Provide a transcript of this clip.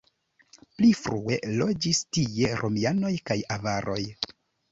Pli frue loĝis tie romianoj kaj avaroj.